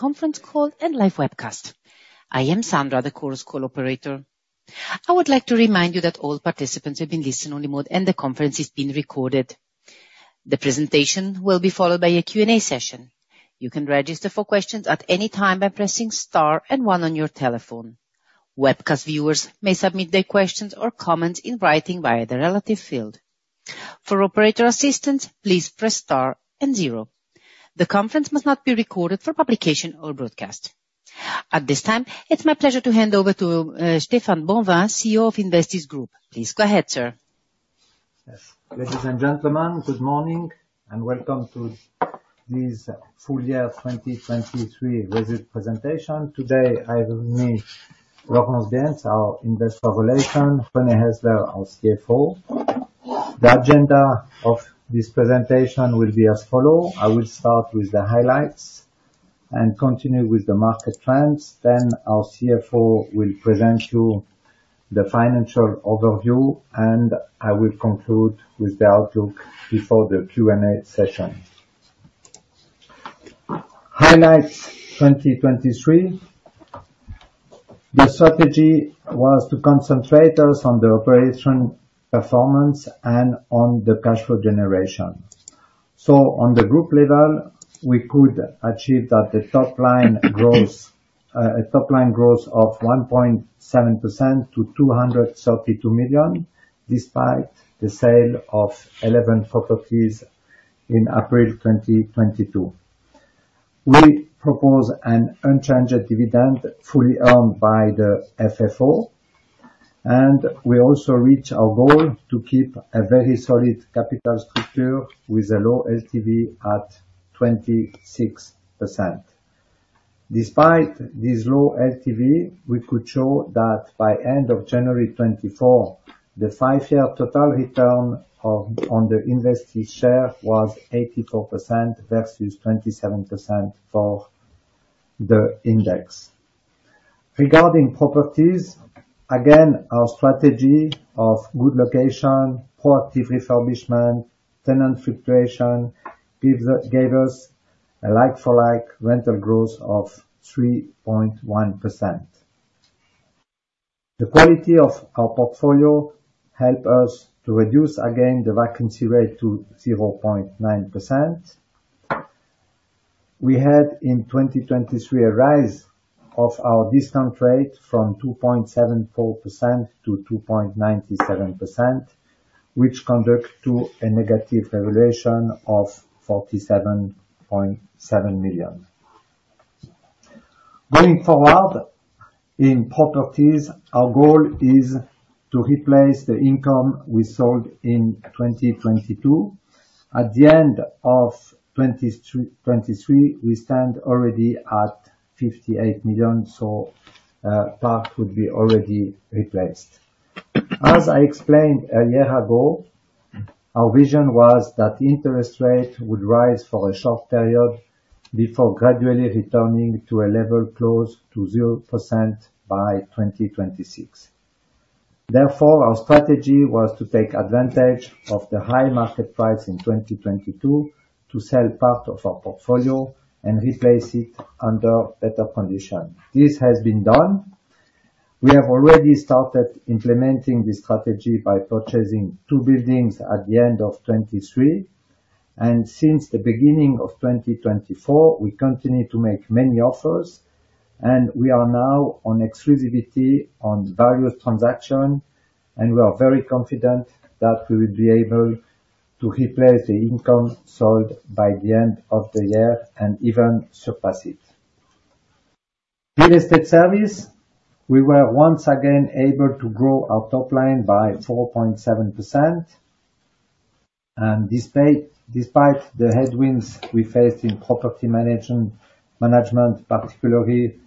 Conference call and live webcast. I am Sandra, the Chorus Call operator. I would like to remind you that all participants have been listen-only mode, and the conference is being recorded. The presentation will be followed by a Q&A session. You can register for questions at any time by pressing star and one on your telephone. Webcast viewers may submit their questions or comments in writing via the relevant field. For operator assistance, please press star and zero. The conference must not be recorded for publication or broadcast. At this time, it's my pleasure to hand over to Stéphane Bonvin, CEO of Investis Group. Please go ahead, sir. Yes. Ladies and gentlemen, good morning, and welcome to this full year 2023 results presentation. Today, I have with me Laurence Rickenbacher, our investor relations, René Häsler, our CFO. The agenda of this presentation will be as follow. I will start with the highlights and continue with the market trends, then our CFO will present you the financial overview, and I will conclude with the outlook before the Q&A session. Highlights 2023. The strategy was to concentrate us on the operation performance and on the cash flow generation. So on the group level, we could achieve that the top line growth, a top line growth of 1.7% to 232 million, despite the sale of 11 properties in April 2022. We propose an unchanged dividend fully owned by the FFO, and we also reach our goal to keep a very solid capital structure with a low LTV at 26%. Despite this low LTV, we could show that by end of January 2024, the 5-year total return on the Investis share was 84% versus 27% for the index. Regarding properties, again, our strategy of good location, proactive refurbishment, tenant fluctuation gave us a like for like rental growth of 3.1%. The quality of our portfolio help us to reduce again the vacancy rate to 0.9%. We had, in 2023, a rise of our discount rate from 2.74% to 2.97%, which conduct to a negative valuation of 47.7 million. Going forward, in properties, our goal is to replace the income we sold in 2022. At the end of 2023, we stand already at 58 million, so part would be already replaced. As I explained a year ago, our vision was that interest rate would rise for a short period before gradually returning to a level close to 0% by 2026. Therefore, our strategy was to take advantage of the high market price in 2022 to sell part of our portfolio and replace it under better conditions. This has been done. We have already started implementing this strategy by purchasing two buildings at the end of 2023, and since the beginning of 2024, we continue to make many offers, and we are now on exclusivity on various transactions, and we are very confident that we will be able to replace the income sold by the end of the year and even surpass it. Real estate service, we were once again able to grow our top line by 4.7%, and despite the headwinds we faced in property management, particularly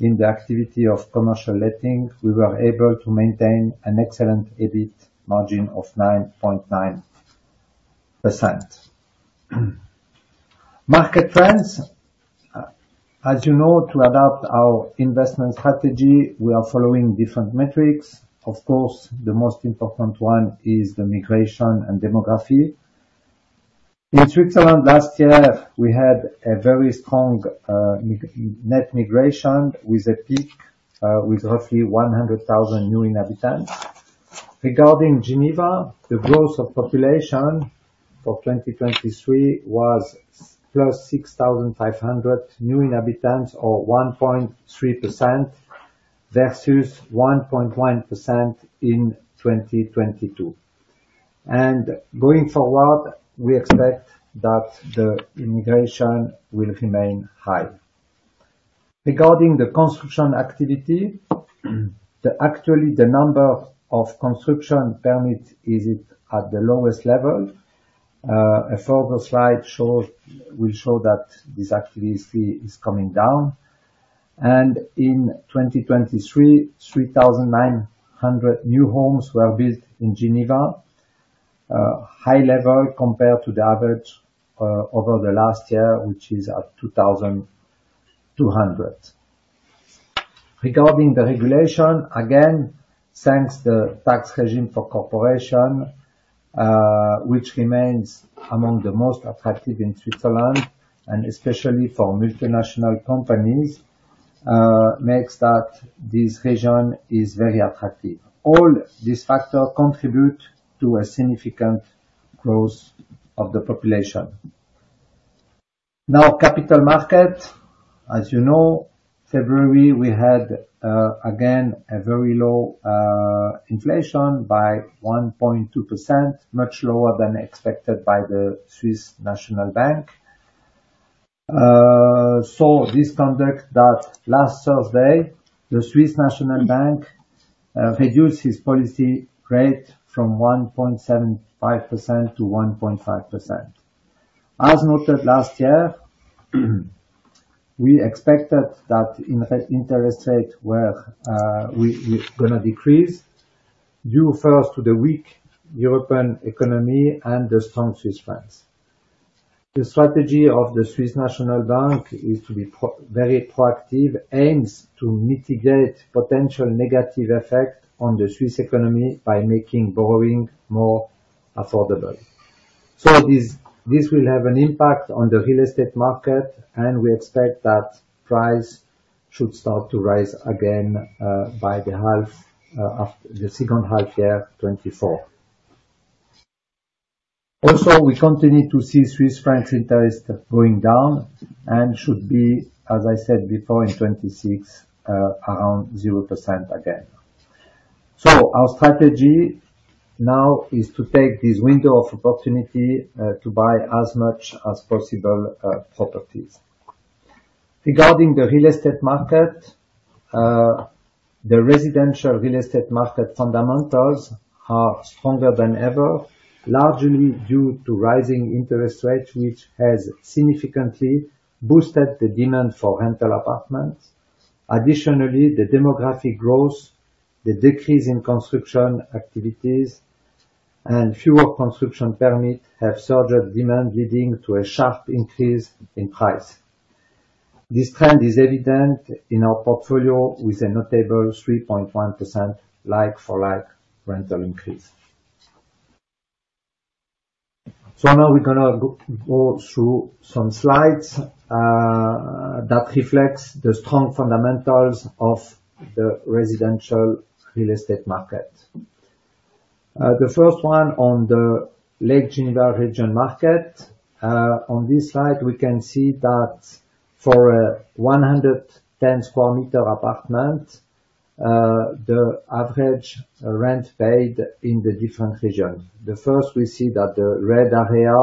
in the activity of commercial letting, we were able to maintain an excellent EBIT margin of 9.9%. Market trends. As you know, to adapt our investment strategy, we are following different metrics. Of course, the most important one is the migration and demography. In Switzerland last year, we had a very strong net migration with a peak with roughly 100,000 new inhabitants. Regarding Geneva, the growth of population for 2023 was +6,500 new inhabitants or 1.3% versus 1.1% in 2022. Going forward, we expect that the immigration will remain high. Regarding the construction activity, actually, the number of construction permits is at the lowest level. A further slide will show that this activity is coming down. In 2023, 3,900 new homes were built in Geneva. High level compared to the average over the last year, which is at 2,200. Regarding the regulation, again, thanks to the tax regime for corporations, which remains among the most attractive in Switzerland, and especially for multinational companies, makes this region very attractive. All these factors contribute to a significant growth of the population. Now, capital market. As you know, February, we had, again, a very low, inflation by 1.2%, much lower than expected by the Swiss National Bank. So this conduct that last Thursday, the Swiss National Bank, reduced its policy rate from 1.75% to 1.5%. As noted last year, we expected that interest rates were, we're gonna decrease due first to the weak European economy and the strong Swiss francs. The strategy of the Swiss National Bank is to be proactively, aims to mitigate potential negative effect on the Swiss economy by making borrowing more affordable. So this, this will have an impact on the real estate market, and we expect that price should start to rise again, by the second half of 2024. Also, we continue to see Swiss franc interest going down and should be, as I said before, in 2026, around 0% again. So our strategy now is to take this window of opportunity, to buy as much as possible properties. Regarding the real estate market, the residential real estate market fundamentals are stronger than ever, largely due to rising interest rates, which has significantly boosted the demand for rental apartments. Additionally, the demographic growth, the decrease in construction activities, and fewer construction permits have surged demand, leading to a sharp increase in price. This trend is evident in our portfolio, with a notable 3.1% like-for-like rental increase. So now we're gonna go through some slides that reflects the strong fundamentals of the residential real estate market. The first one on the Lake Geneva Region market. On this slide, we can see that for a 110 square meter apartment, the average rent paid in the different regions. The first, we see that the red area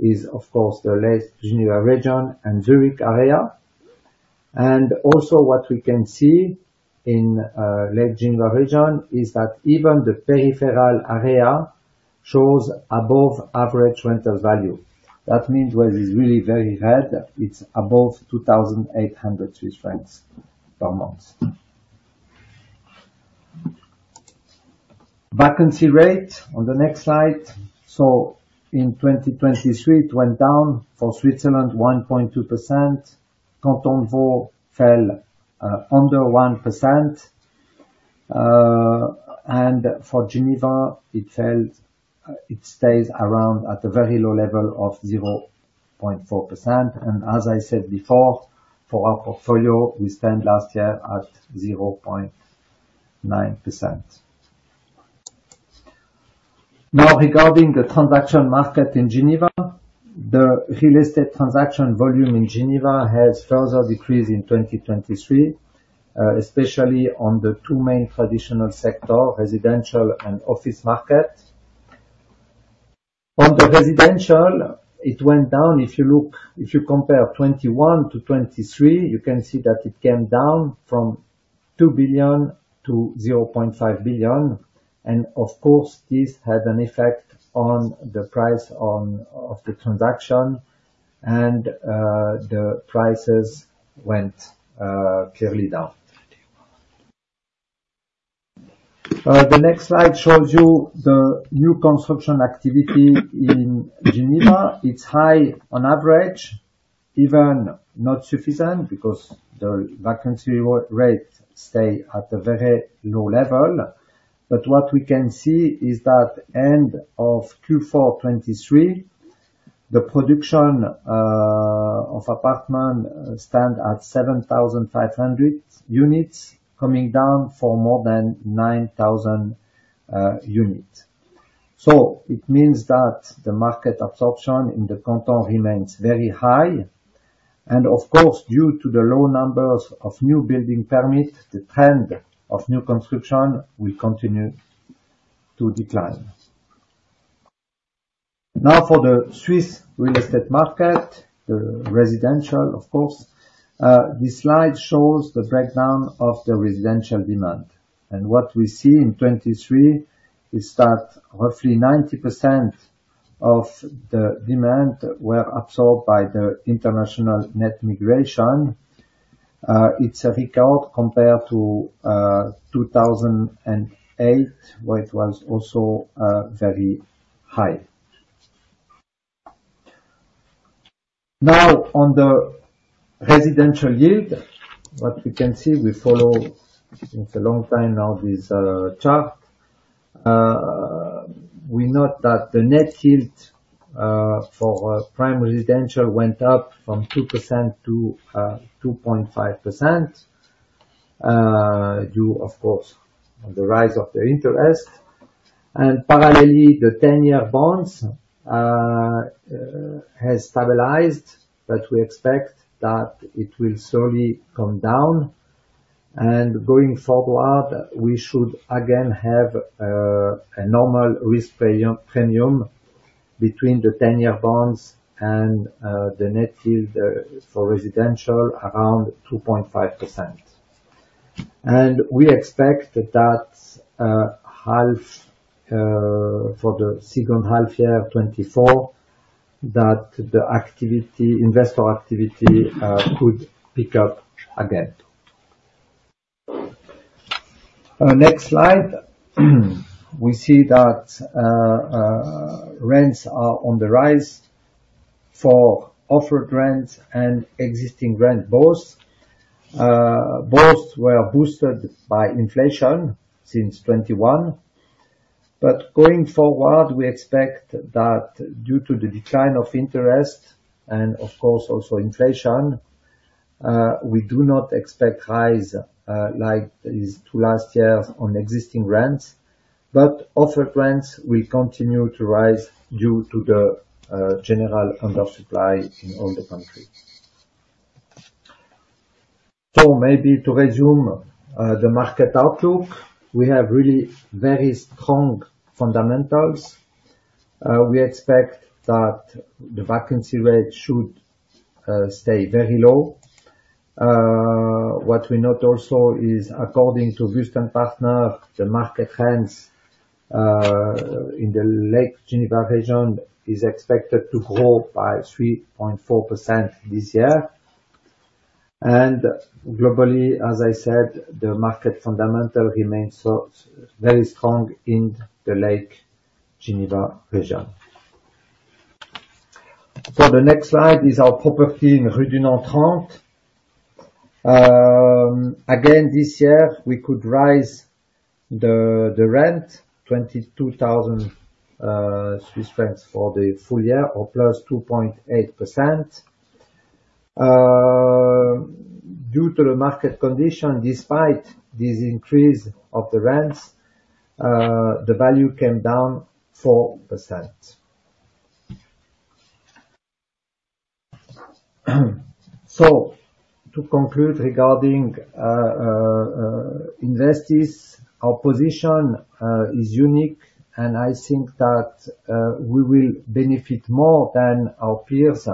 is, of course, the Lake Geneva Region and Zurich area. And also, what we can see in Lake Geneva Region is that even the peripheral area shows above average rental value. That means where it is really very red, it's above 2,800 CHF per month. Vacancy rate on the next slide. So in 2023, it went down. For Switzerland, 1.2%. Canton Vaud fell under 1%. And for Geneva, it fell, it stays around at a very low level of 0.4%. And as I said before, for our portfolio, we stand last year at 0.9%. Now, regarding the transaction market in Geneva, the real estate transaction volume in Geneva has further decreased in 2023, especially on the two main traditional sector, residential and office market. On the residential, it went down. If you compare 2021 to 2023, you can see that it came down from 2 billion to 0.5 billion. Of course, this had an effect on the price of the transaction, and the prices went clearly down. The next slide shows you the new construction activity in Geneva. It's high on average, even not sufficient, because the vacancy rate stay at a very low level. But what we can see is that end of Q4 2023, the production of apartment stand at 7,500 units, coming down from more than 9,000 units. So it means that the market absorption in the canton remains very high. And of course, due to the low numbers of new building permits, the trend of new construction will continue to decline. Now, for the Swiss real estate market, the residential, of course. This slide shows the breakdown of the residential demand, and what we see in 2023 is that roughly 90% of the demand were absorbed by the international net migration. It's a record compared to 2008, where it was also very high. Now, on the residential yield, what we can see, we follow since a long time now, this chart. We note that the net yield for prime residential went up from 2% to 2.5%, due of course, on the rise of the interest. And parallelly, the ten-year bonds has stabilized, but we expect that it will slowly come down. And going forward, we should again have a normal risk premium between the ten-year bonds and the net yield for residential, around 2.5%. And we expect that, half, for the second half year 2024, that the activity, investor activity, could pick up again. Next slide. We see that, rents are on the rise for offered rents and existing rent both. Both were boosted by inflation since 2021. But going forward, we expect that due to the decline of interest, and of course, also inflation, we do not expect rise, like these two last years on existing rents, but offered rents will continue to rise due to the, general under supply in all the country. So maybe to resume, the market outlook, we have really very strong fundamentals. We expect that the vacancy rate should, stay very low. What we note also is according to Wüest Partner, the market rents in the Lake Geneva region is expected to grow by 3.4% this year. Globally, as I said, the market fundamental remains very strong in the Lake Geneva region. The next slide is our property in Rue du Nant. Again, this year, we could rise the rent, 22,000 Swiss francs for the full year, or +2.8%. Due to the market condition, despite this increase of the rents, the value came down 4%. To conclude regarding Investis, our position is unique, and I think that we will benefit more than our peers,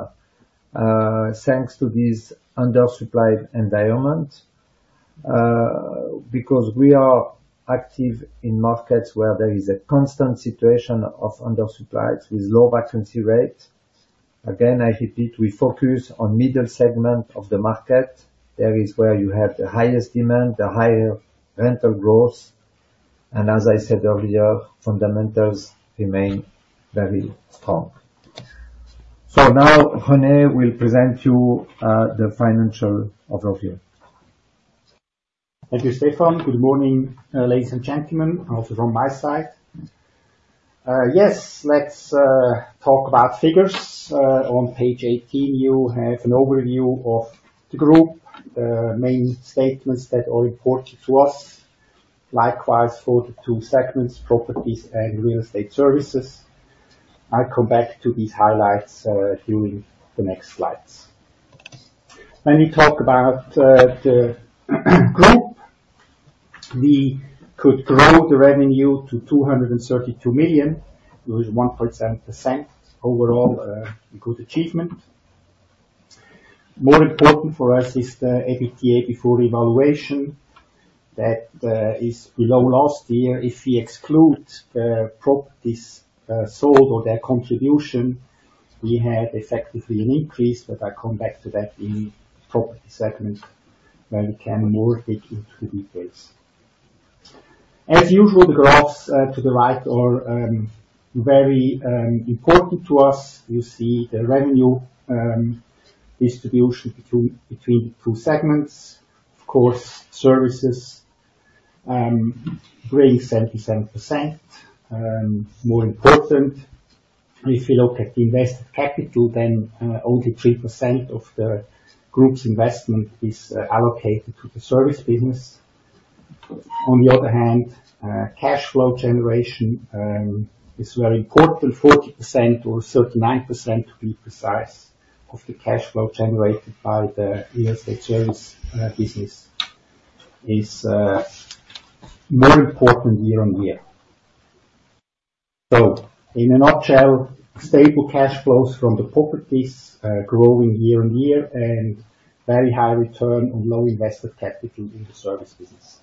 thanks to this under-supplied environment. because we are active in markets where there is a constant situation of under-supply, with low vacancy rate. Again, I repeat, we focus on middle segment of the market. That is where you have the highest demand, the higher rental growth. And as I said earlier, fundamentals remain very strong. So now, René will present you, the financial overview. Thank you, Stéphane. Good morning, ladies and gentlemen, also from my side. Yes, let's talk about figures. On page 18, you have an overview of the group main statements that are important to us. Likewise, for the two segments, properties and real estate services. I come back to these highlights during the next slides. When we talk about the group, we could grow the revenue to 232 million, which is 1.7%. Overall, a good achievement. More important for us is the EBITDA before evaluation, that is below last year. If we exclude properties sold or their contribution, we had effectively an increase, but I come back to that in property segment, where we can more dig into the details. As usual, the graphs to the right are very important to us. You see the revenue distribution between the two segments. Of course, services bring 77%. More important, if you look at the invested capital, then only 3% of the group's investment is allocated to the service business. On the other hand, cashflow generation is very important. 40% or 39%, to be precise, of the cashflow generated by the real estate service business is more important year-on-year. So in a nutshell, stable cash flows from the properties, growing year-on-year, and very high return on low invested capital in the service business.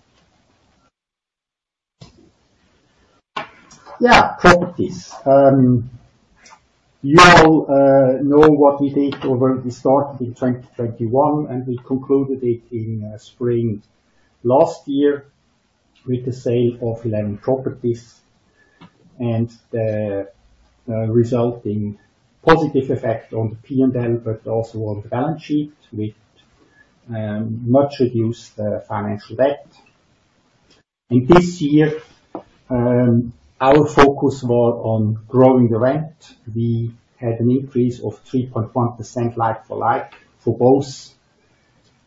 Yeah, properties. You all know what we did or where we started in 2021, and we concluded it in spring last year, with the sale of 11 properties, and the resulting positive effect on the P&L, but also on the balance sheet, with much reduced financial debt. In this year, our focus was on growing the rent. We had an increase of 3.1% like for like, for both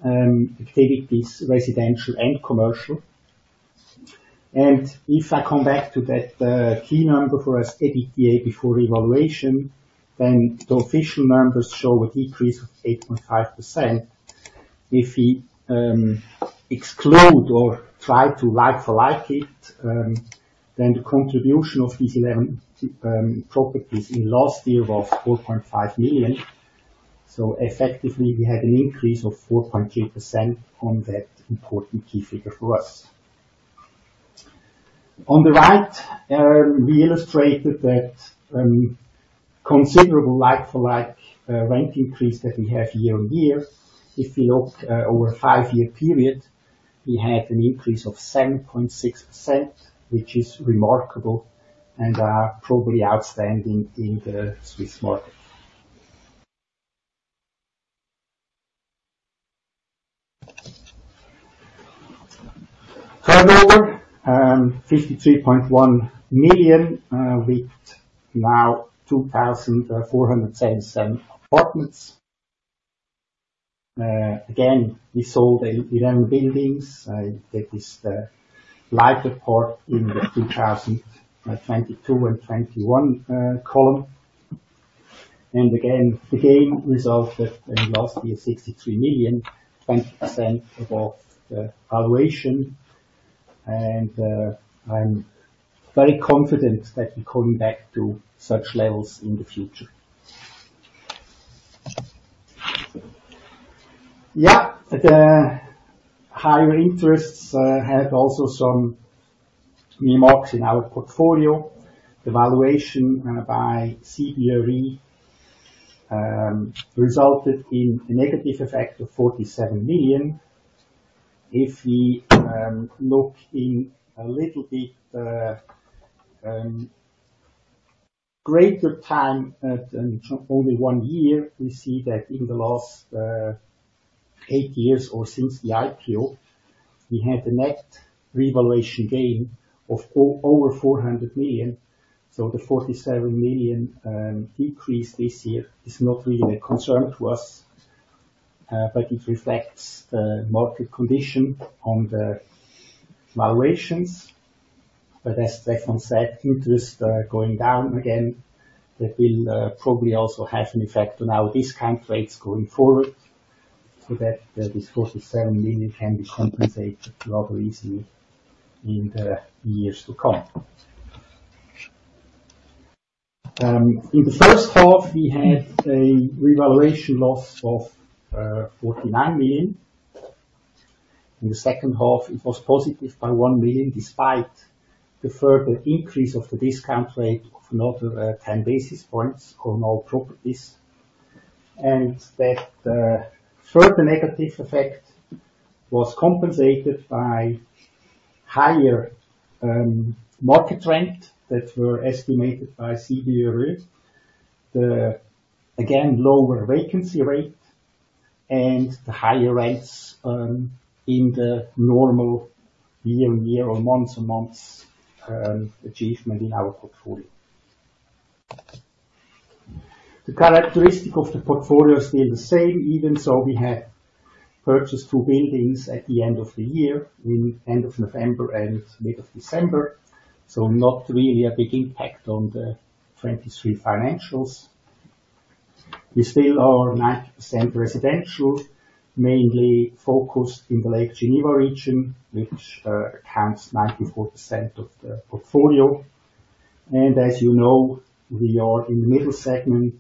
activities, residential and commercial. And if I come back to that key number for us, EBITDA before revaluation, then the official numbers show a decrease of 8.5%. If we exclude or try to like for like it, then the contribution of these 11 properties in last year was 4.5 million. So effectively, we had an increase of 4.2% on that important key figure for us. On the right, we illustrated that considerable like-for-like rent increase that we have year-on-year. If we look over a five-year period, we had an increase of 7.6%, which is remarkable and probably outstanding in the Swiss market. Turnover, CHF 53.1 million, with now 2,477 apartments. Again, we sold 11 buildings, that is the lighter part in the 2022 and 2021 column. And again, the gain resulted in last year 63 million, 20% above the valuation. And I'm very confident that we're coming back to such levels in the future. Yeah, the higher interests had also some remarks in our portfolio. Evaluation by CBRE resulted in a negative effect of 47 million. If we look in a little bit greater time than only one year, we see that in the last eight years or since the IPO, we had a net revaluation gain of over 400 million. So the 47 million decrease this year is not really a concern to us, but it reflects the market condition on the valuations. But as Stéphane said, interest going down again, that will probably also have an effect on our discount rates going forward, so that this 47 million can be compensated rather easily in the years to come. In the first half, we had a revaluation loss of 49 million. In the second half, it was positive by 1 million, despite the further increase of the discount rate of another 10 basis points on all properties. And that further negative effect was compensated by higher market rent that were estimated by CBRE. The, again, lower vacancy rate and the higher rates in the normal year-on-year or month-on-month achievement in our portfolio. The characteristic of the portfolio is still the same, even so we have purchased 2 buildings at the end of the year, in end of November and mid of December, so not really a big impact on the 2023 financials. We still are 90% residential, mainly focused in the Lake Geneva region, which accounts 94% of the portfolio. And as you know, we are in the middle segment.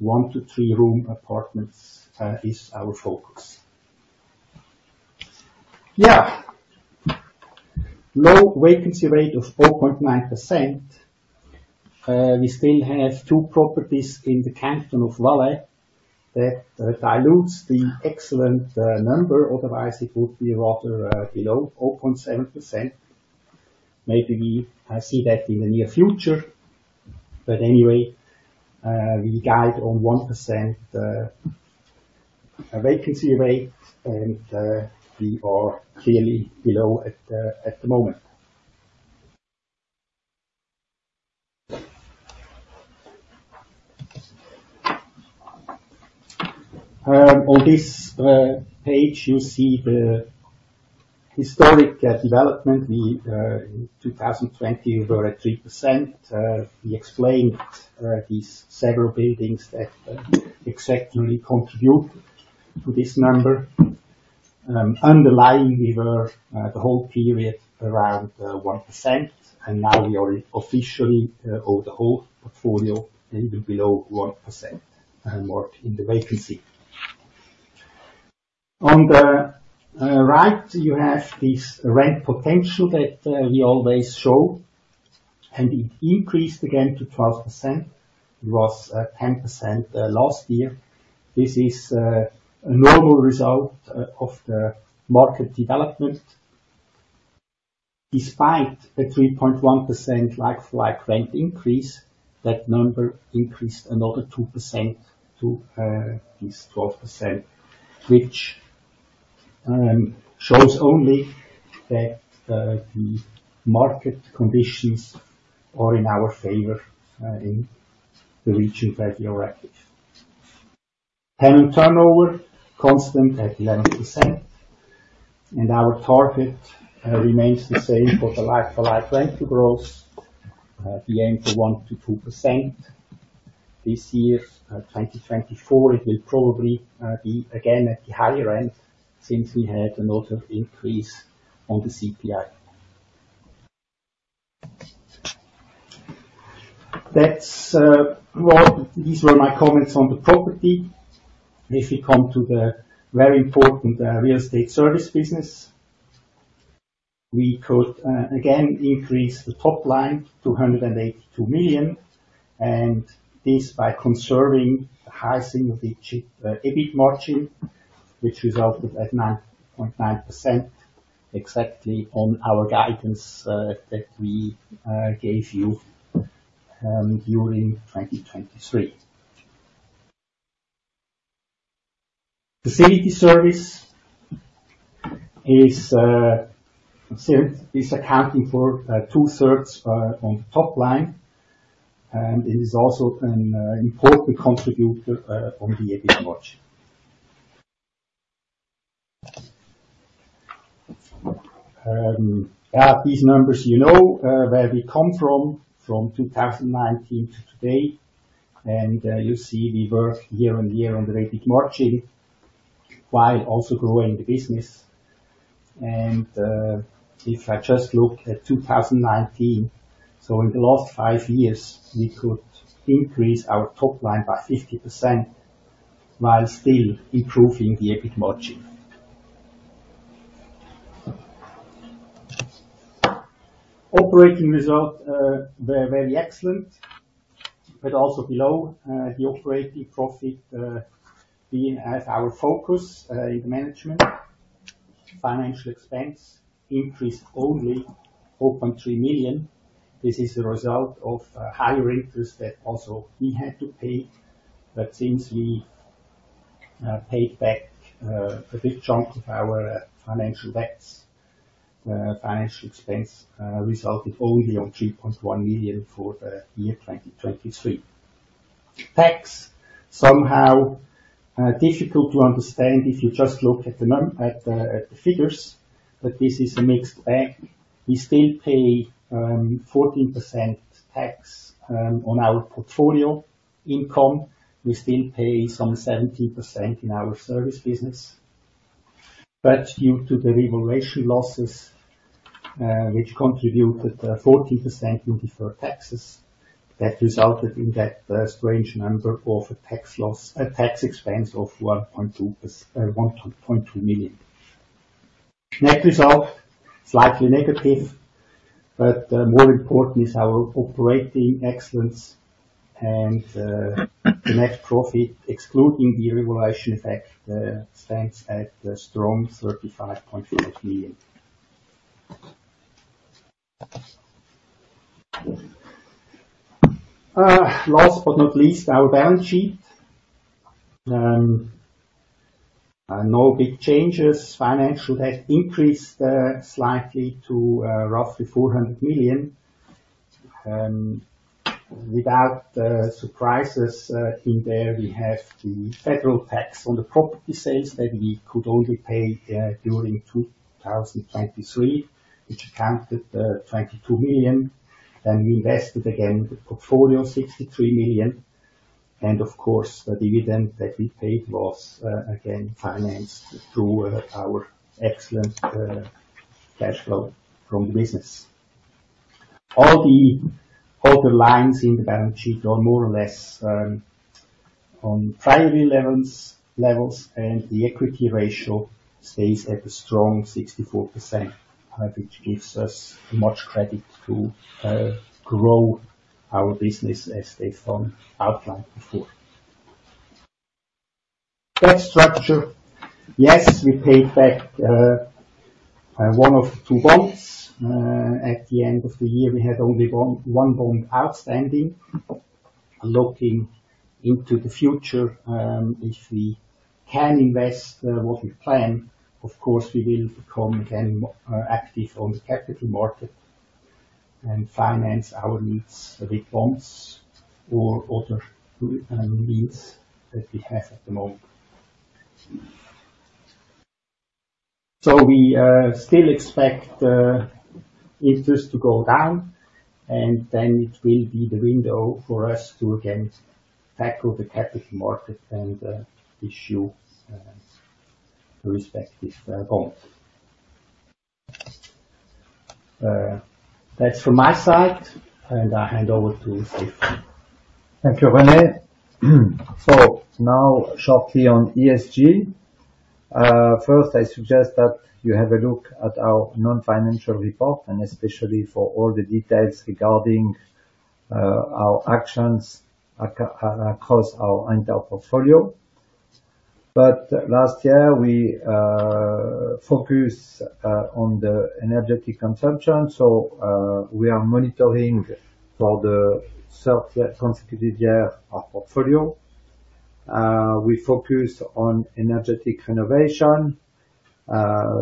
1-3 room apartments is our focus. Yeah. Low vacancy rate of 4.9%. We still have two properties in the Canton of Valais that dilutes the excellent number. Otherwise, it would be rather below 4.7%. Maybe we see that in the near future. But anyway, we guide on 1% vacancy rate, and we are clearly below at the moment. On this page, you see the historic development. We, in 2020, we were at 3%. We explained these several buildings that exceptionally contribute to this number. Underlying, we were the whole period around 1%, and now we are officially over the whole portfolio, a little below 1%, more in the vacancy. On the right, you have this rent potential that we always show, and it increased again to 12%. It was 10% last year. This is a normal result of the market development. Despite a 3.1% like-for-like rent increase, that number increased another 2% to this 12%, which shows only that the market conditions are in our favor in the region that we operate. Tenant turnover, constant at 11%, and our target remains the same for the like-for-like rent growth. We aim for 1%-2%. This year, 2024, it will probably be again at the higher end, since we had another increase on the CPI. That's well, these were my comments on the property. If we come to the very important real estate service business, we could again increase the top line to 182 million, and this by conserving the high significant EBIT margin, which resulted at 9.9%, exactly on our guidance that we gave you during 2023. Facility service is still accounting for two-thirds on the top line, and it is also an important contributor on the EBIT margin. These numbers you know where we come from, from 2019 to today, and you see we work year-on-year on the EBIT margin, while also growing the business. If I just look at 2019, so in the last five years, we could increase our top line by 50%, while still improving the EBIT margin. Operating results were very excellent, but also below the operating profit being as our focus in management. Financial expense increased only 4.3 million. This is a result of higher interest that also we had to pay. But since we paid back a big chunk of our financial debts, financial expense resulted only in 3.1 million for the year 2023. Tax, somehow, difficult to understand, if you just look at the figures, but this is a mixed bag. We still pay 14% tax on our portfolio income. We still pay some 17% in our service business. But due to the revaluation losses, which contributed 14% in deferred taxes, that resulted in that strange number of a tax loss - a tax expense of 1.2 million. Net result, slightly negative, but more important is our operating excellence and the net profit, excluding the revaluation effect, stands at a strong 35.5 million. Last but not least, our balance sheet. No big changes. Financial debt increased slightly to roughly 400 million. Without the surprises in there, we have the federal tax on the property sales that we could only pay during 2023, which accounted 22 million. Then we invested again, the portfolio, 63 million. Of course, the dividend that we paid was again financed through our excellent cash flow from the business. All the other lines in the balance sheet are more or less on prior levels, and the equity ratio stays at a strong 64%, which gives us much credit to grow our business as based on outline before. Debt structure. Yes, we paid back one of the two bonds. At the end of the year, we had only one bond outstanding. Looking into the future, if we can invest what we plan, of course, we will become again active on the capital market, and finance our needs with bonds or other means that we have at the moment. We still expect interest to go down, and then it will be the window for us to again tackle the capital market and issue respective bond. That's from my side, and I hand over to Stéphane. Thank you, René. So now shortly on ESG. First, I suggest that you have a look at our non-financial report, and especially for all the details regarding our actions across our entire portfolio. But last year, we focused on the energetic consumption, so we are monitoring for the third consecutive year our portfolio. We focus on energetic renovation.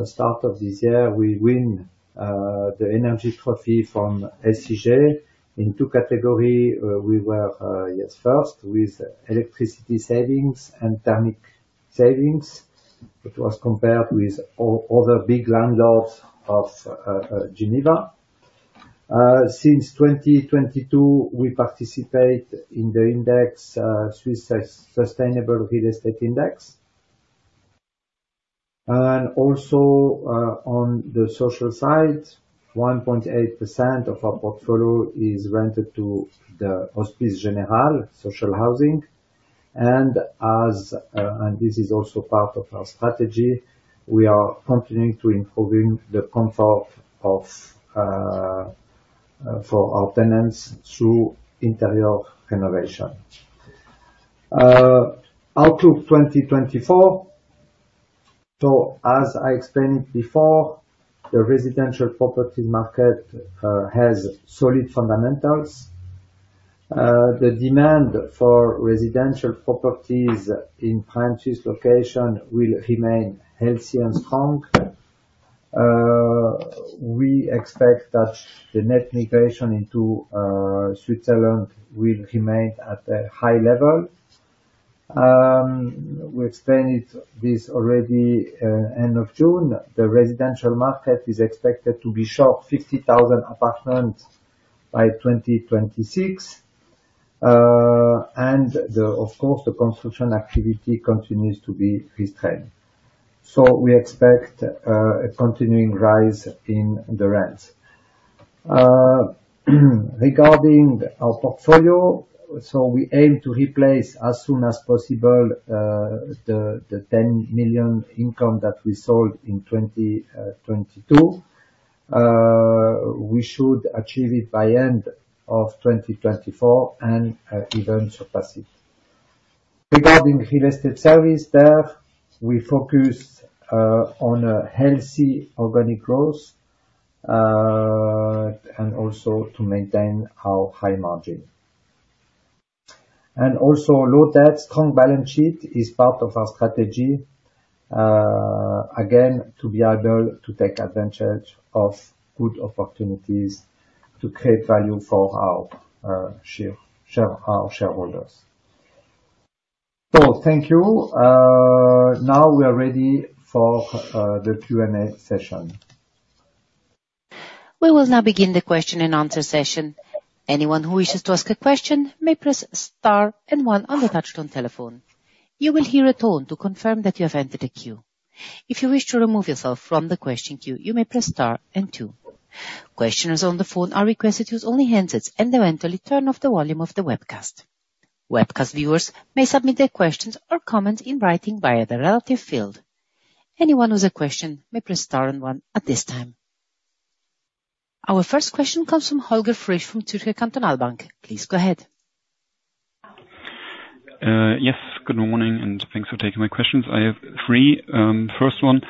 Start of this year, we win the energy trophy from SCJ. In two category, we were first with electricity savings and thermic savings, which was compared with other big landlords of Geneva. Since 2022, we participate in the index, Swiss Sustainable Real Estate Index. And also, on the social side, 1.8% of our portfolio is rented to the Hospice Général social housing. This is also part of our strategy, we are continuing to improving the comfort for our tenants through interior renovation. Outlook 2024. So as I explained before, the residential property market has solid fundamentals. The demand for residential properties in French locations will remain healthy and strong. We expect that the net migration into Switzerland will remain at a high level. We explained this already end of June. The residential market is expected to be short 50,000 apartments by 2026. And of course, the construction activity continues to be restrained. So we expect a continuing rise in the rents. Regarding our portfolio, so we aim to replace, as soon as possible, the 10 million income that we sold in 2022. We should achieve it by end of 2024, and even surpass it. Regarding real estate service, there, we focus on a healthy organic growth, and also to maintain our high margin. And also low debt, strong balance sheet is part of our strategy, again, to be able to take advantage of good opportunities to create value for our shareholders. So thank you. Now we are ready for the Q&A session. We will now begin the question and answer session. Anyone who wishes to ask a question may press star and one on the touchtone telephone. You will hear a tone to confirm that you have entered a queue. If you wish to remove yourself from the question queue, you may press star and two. Questioners on the phone are requested to use only handsets and eventually turn off the volume of the webcast. Webcast viewers may submit their questions or comments in writing via the relevant field. Anyone who has a question may press star and one at this time. Our first question comes from Holger Frisch from Zürcher Kantonalbank. Please go ahead. Yes. Good morning, and thanks for taking my questions. I have three. First one,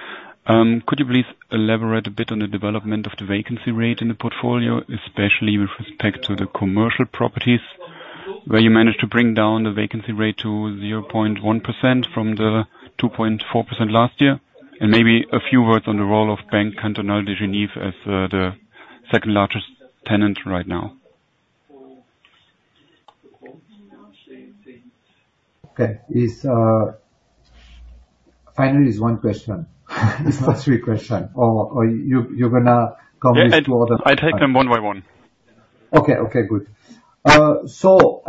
could you please elaborate a bit on the development of the vacancy rate in the portfolio, especially with respect to the commercial properties, where you managed to bring down the vacancy rate to 0.1% from the 2.4% last year? And maybe a few words on the role of Banque Cantonale de Genève as the second largest tenant right now. Okay. It's finally is one question. It's not three question, or, or you, you're gonna come with two other- I take them one by one. Okay, okay, good. So,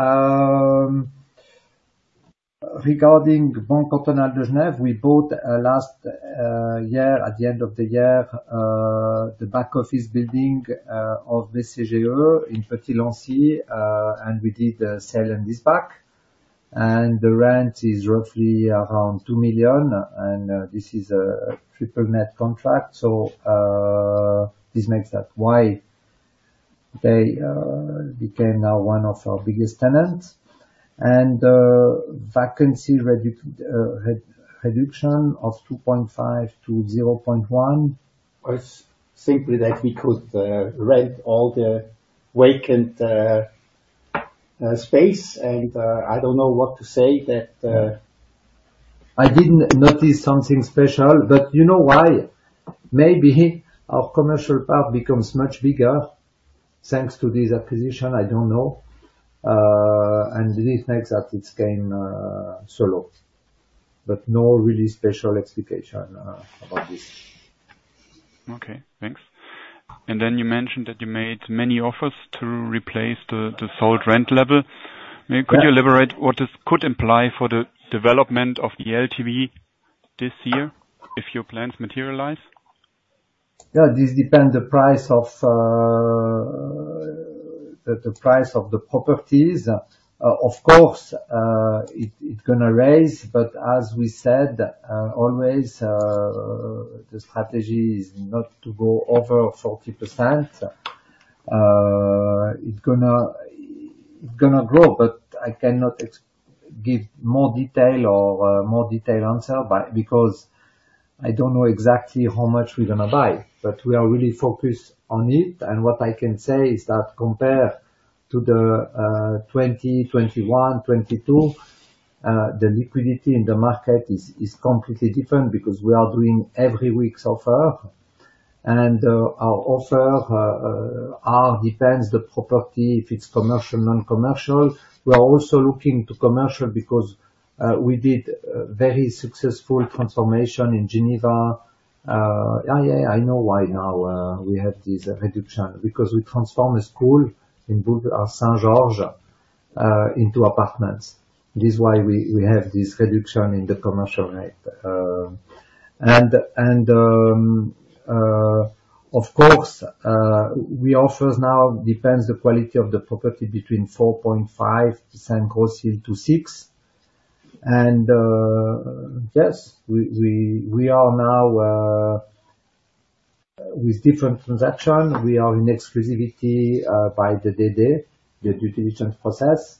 regarding Banque Cantonale de Genève, we bought last year, at the end of the year, the back office building of the BCGE in Petit-Lancy, and we did a sale-leaseback. And the rent is roughly around 2 million, and this is a triple net contract, so this makes that why they became now one of our biggest tenants. And vacancy reduction of 2.5-0.1, was simply that we could rent all the vacant space. And I don't know what to say, that I didn't notice something special, but you know why? Maybe our commercial part becomes much bigger, thanks to this acquisition, I don't know. And this makes that it's came so low. But no really special explanation about this. Okay, thanks. And then you mentioned that you made many offers to replace the sold rent level. Yes. Could you elaborate what this could imply for the development of the LTV this year, if your plans materialize? ... Yeah, this depend the price of the price of the properties. Of course, it gonna raise, but as we said always the strategy is not to go over 40%. It's gonna grow, but I cannot give more detail or more detailed answer, but because I don't know exactly how much we're gonna buy. But we are really focused on it, and what I can say is that compared to the 2020, 2021, 2022 the liquidity in the market is completely different because we are doing every week's offer. And our offer depends the property, if it's commercial, non-commercial. We are also looking to commercial because we did very successful transformation in Geneva. Yeah, yeah, I know why now we have this reduction because we transformed a school in Boulevard de Saint-Georges into apartments. This is why we have this reduction in the commercial rate. Of course, our offers now depend on the quality of the property between 4.5%-6% gross yield. Yes, we are now with different transaction. We are in exclusivity during the due diligence process.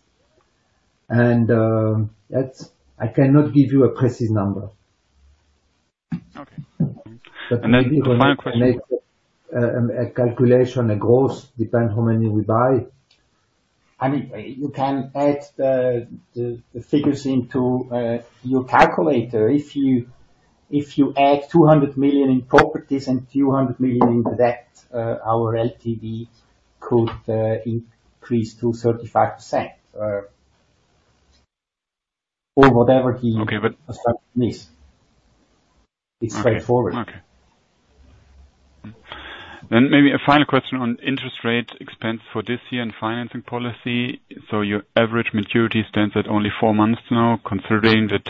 That's—I cannot give you a precise number. Okay. My question- Make a calculation, a gross, depend how many we buy. I mean, you can add the figures into your calculator. If you add 200 million in properties and 200 million in debt, our LTV could increase to 35%, or whatever the- Okay, but- It's straightforward. Okay. Okay. Then maybe a final question on interest rate expense for this year and financing policy. So your average maturity stands at only four months now, considering that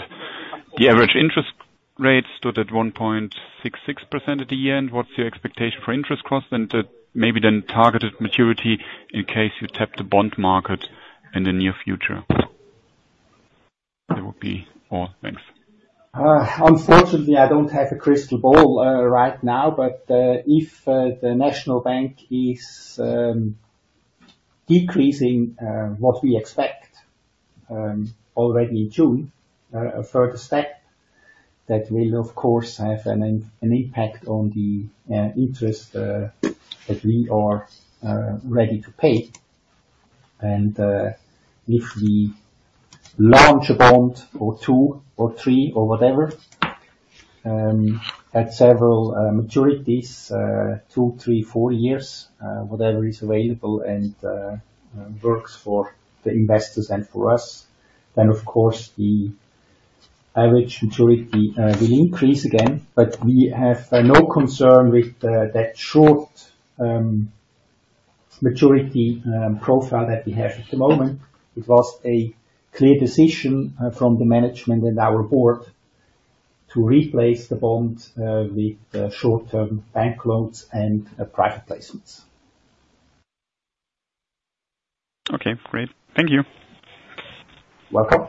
the average interest rate stood at 1.66% at the end. What's your expectation for interest costs and the, maybe then targeted maturity in case you tap the bond market in the near future? That would be all. Thanks. Unfortunately, I don't have a crystal ball right now, but if the National Bank is decreasing what we expect already in June a further step, that will of course have an impact on the interest that we are ready to pay. And if we launch a bond or two, or three, or whatever, at several maturities, 2, 3, 4 years, whatever is available and works for the investors and for us, then of course, the average maturity will increase again. But we have no concern with that short maturity profile that we have at the moment. It was a clear decision from the management and our board to replace the bond with short-term bank loans and private placements. Okay, great. Thank you. Welcome.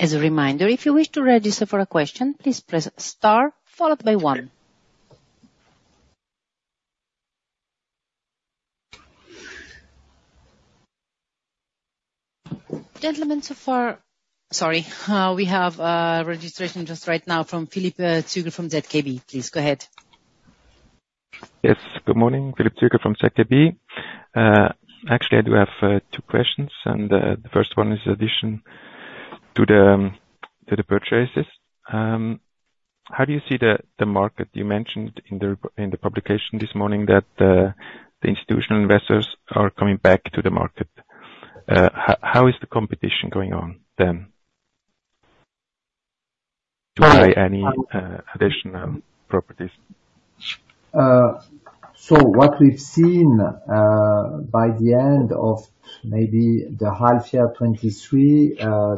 As a reminder, if you wish to register for a question, please press Star followed by one. Gentlemen, so far... Sorry, we have registration just right now from Philipp Ziegel from ZKB. Please go ahead. Yes, good morning, Philippe Züger from ZKB. Actually, I do have two questions, and the first one is addition to the to the purchases. How do you see the market? You mentioned in the re- in the publication this morning that the institutional investors are coming back to the market. How is the competition going on then? Well- -to buy any additional properties? So what we've seen, by the end of maybe the half year 2023,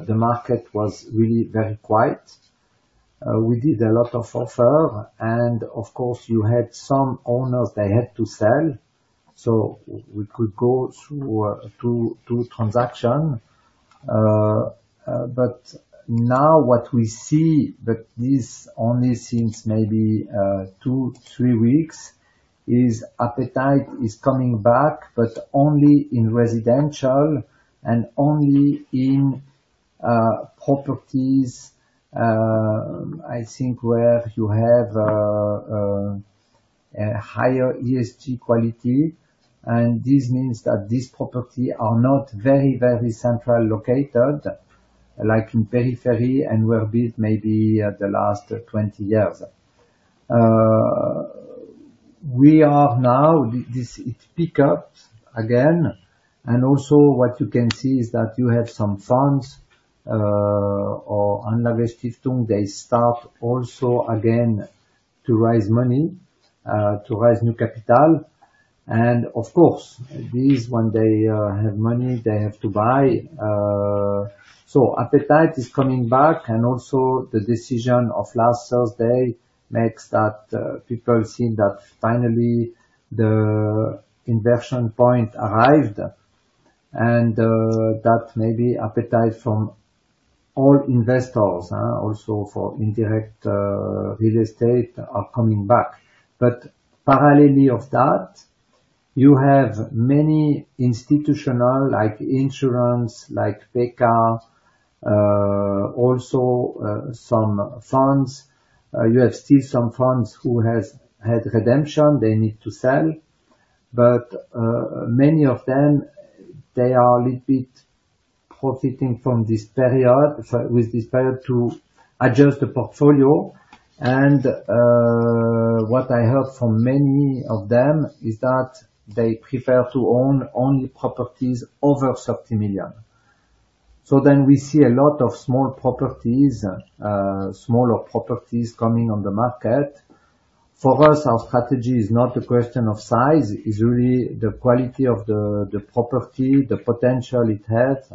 the market was really very quiet. We did a lot of offers, and of course, you had some owners, they had to sell, so we could go through to transactions. But now what we see, but this only since maybe 2-3 weeks, is appetite is coming back, but only in residential and only in properties, I think where you have a higher ESG quality, and this means that these properties are not very, very centrally located, like in periphery and were built maybe the last 20 years. We are now, it's picked up again, and also what you can see is that you have some funds, or an investment, they start also again to raise money, to raise new capital. And of course, these, when they have money, they have to buy. So appetite is coming back, and also the decision of last Thursday makes that people see that finally the inversion point arrived, and that maybe appetite from all investors also for indirect real estate are coming back. But parallely of that, you have many institutional, like insurance, like PEKKA, also some funds. You have still some funds who has had redemption, they need to sell, but many of them, they are a little bit profiting from this period, so with this period to adjust the portfolio. What I heard from many of them is that they prefer to own only properties over 30 million. So then we see a lot of small properties, smaller properties coming on the market. For us, our strategy is not a question of size, is really the quality of the property, the potential it has.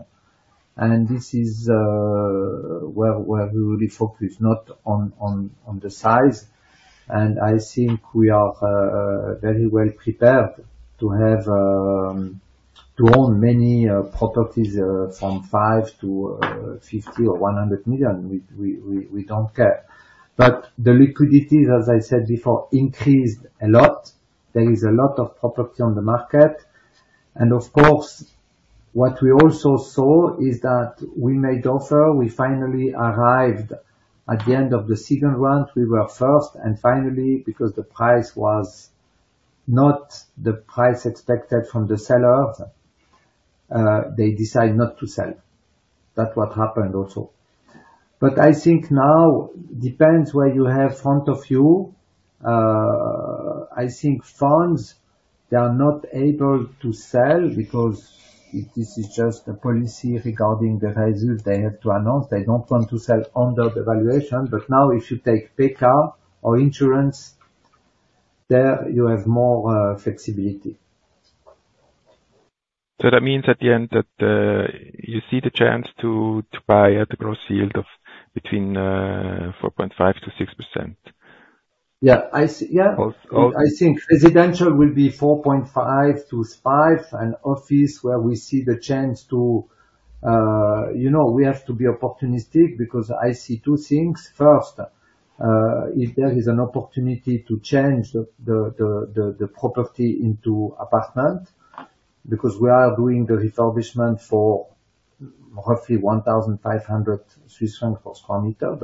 And this is where we really focus, not on the size. And I think we are very well prepared to have, to own many properties from 5 million to 50 million or 100 million. We don't care. But the liquidity, as I said before, increased a lot. There is a lot of property on the market. And of course, what we also saw is that we made offer. We finally arrived at the end of the second round, we were first, and finally, because the price was not the price expected from the sellers, they decided not to sell. That's what happened also. But I think now, depends where you have front of you. I think funds, they are not able to sell, because this is just a policy regarding the result they have to announce. They don't want to sell under the valuation. But now, if you take PEKKA or insurance, there you have more, flexibility. So that means at the end, that you see the chance to, to buy at the gross yield of between 4.5%-6%? Yeah, I see- yeah. Oh, oh- I think residential will be 4.5-5, and office, where we see the chance to... You know, we have to be opportunistic, because I see two things. First, if there is an opportunity to change the property into apartment, because we are doing the refurbishment for roughly 1,500 Swiss francs per square meter.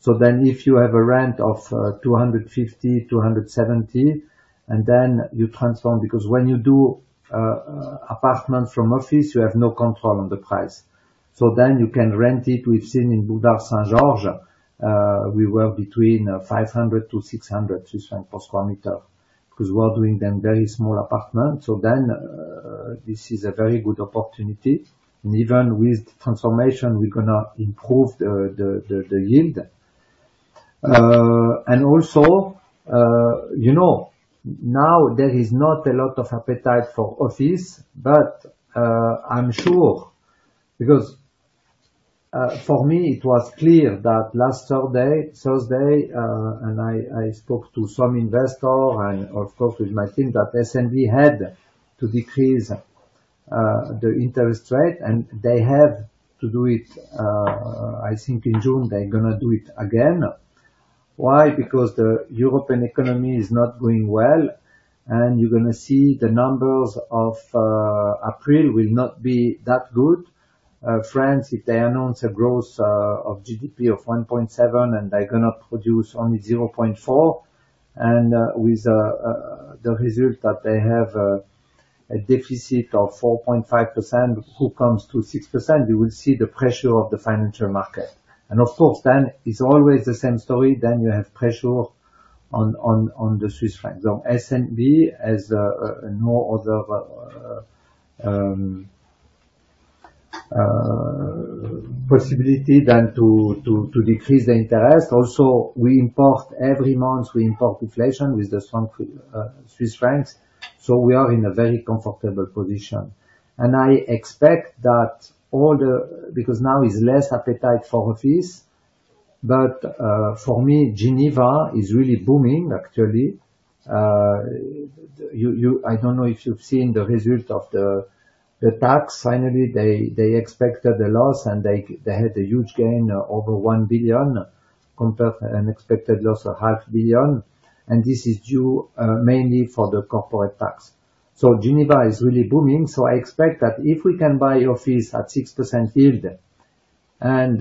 So then if you have a rent of 250-270, and then you transform, because when you do apartment from office, you have no control on the price. So then you can rent it. We've seen in Boulevard de Saint-Georges, we were between 500-600 Swiss francs per square meter, because we are doing them very small apartment. So then, this is a very good opportunity. Even with transformation, we're gonna improve the yield. And also, you know, now there is not a lot of appetite for office, but I'm sure because, for me, it was clear that last Thursday and I spoke to some investor and of course with my team, that SNB had to decrease the interest rate, and they have to do it. I think in June, they're gonna do it again. Why? Because the European economy is not going well, and you're gonna see the numbers of April will not be that good. France, if they announce a growth of GDP of 1.7, and they're gonna produce only 0.4, and with the result that they have a deficit of 4.5%, which comes to 6%, you will see the pressure of the financial market. Of course, then it's always the same story. You have pressure on the Swiss franc. SNB has no other possibility than to decrease the interest. Also, we import every month; we import inflation with the strong Swiss francs, so we are in a very comfortable position. I expect that all the... Because there is less appetite for office, but for me, Geneva is really booming, actually. I don't know if you've seen the result of the tax. Finally, they expected a loss, and they had a huge gain of over 1 billion, compared to an expected loss of 0.5 billion, and this is due mainly for the corporate tax. So Geneva is really booming. So I expect that if we can buy office at 6% yield and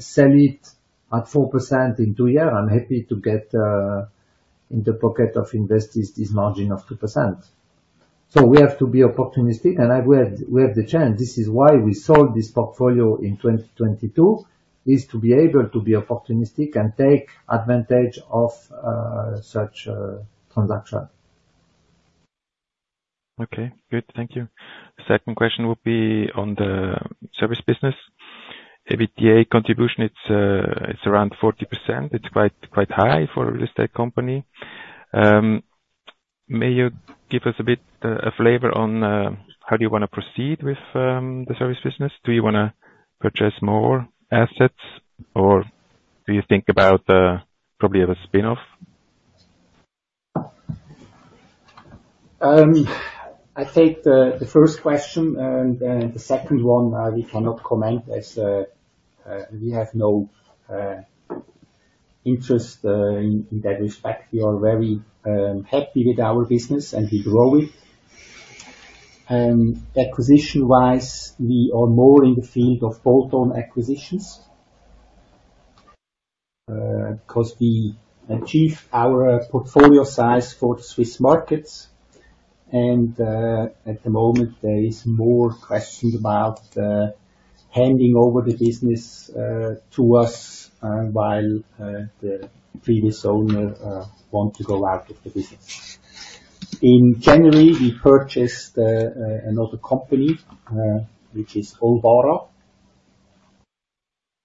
sell it at 4% in 2 years, I'm happy to get in the pocket of investors this margin of 2%. So we have to be opportunistic, and we have the chance. This is why we sold this portfolio in 2022, is to be able to be opportunistic and take advantage of such transaction. Okay, good. Thank you. Second question will be on the service business.... EBITDA contribution, it's, it's around 40%. It's quite, quite high for a real estate company. May you give us a bit, a flavor on, how do you wanna proceed with, the service business? Do you wanna purchase more assets, or do you think about, probably have a spin-off? I take the first question, and the second one, we cannot comment, as we have no interest in that respect. We are very happy with our business, and we grow it. Acquisition-wise, we are more in the field of bolt-on acquisitions, 'cause we achieve our portfolio size for the Swiss markets, and at the moment, there is more questions about handing over the business to us, while the previous owner want to go out of the business. In January, we purchased another company, which is Olbara.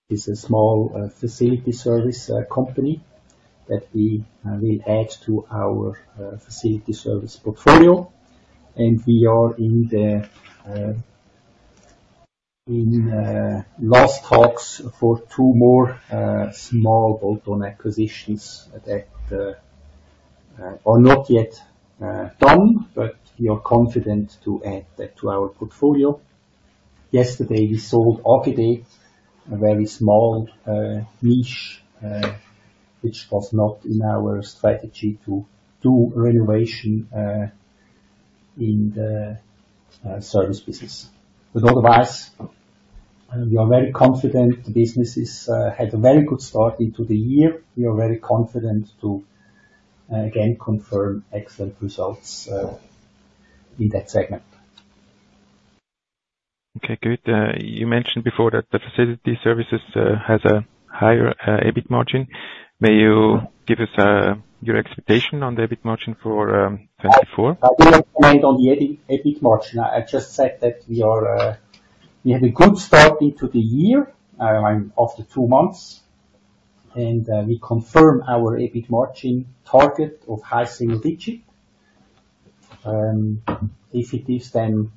It's a small, facility service, company that we, will add to our, facility service portfolio, and we are in the last talks for two more, small bolt-on acquisitions that, are not yet, done, but we are confident to add that to our portfolio. Yesterday, we sold Orchid, a very small, niche, which was not in our strategy to do renovation, in the service business. But otherwise, we are very confident the businesses, had a very good start into the year. We are very confident to, again, confirm excellent results, in that segment. Okay, good. You mentioned before that the facility services has a higher EBIT margin. May you give us your expectation on the EBIT margin for 2024? I didn't comment on the EBIT, EBIT margin. I just said that we had a good start into the year, after 2 months, and we confirm our EBIT margin target of high single digit. If it is then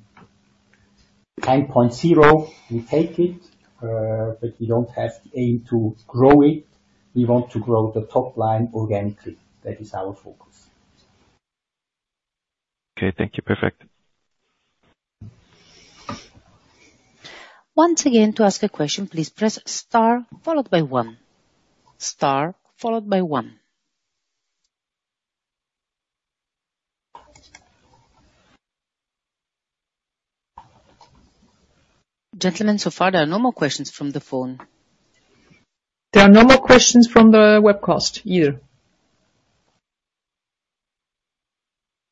10.0, we take it, but we don't have the aim to grow it. We want to grow the top line organically. That is our focus. Okay, thank you. Perfect. Once again, to ask a question, please press Star followed by one. Star followed by one. Gentlemen, so far there are no more questions from the phone. There are no more questions from the webcast either.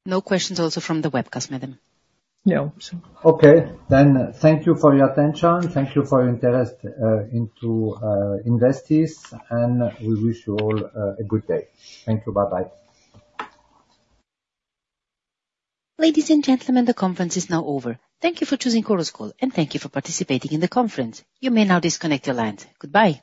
No questions also from the webcast, madam. Okay, thank you for your attention. Thank you for your interest in Investis, and we wish you all a good day. Thank you. Bye-bye. Ladies and gentlemen, the conference is now over. Thank you for choosing Chorus Call, and thank you for participating in the conference. You may now disconnect your lines. Goodbye.